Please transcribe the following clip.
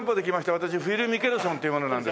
私フィル・ミケルソンという者なんですけどね。